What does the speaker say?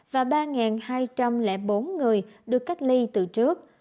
và ba hai trăm linh bốn người được cách ly từ trước